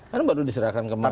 kan baru diserahkan kemarin